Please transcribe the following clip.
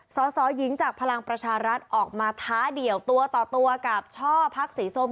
สสหญิงจากพลังประชารัฐออกมาท้าเดี่ยวตัวต่อตัวกับช่อพักสีส้ม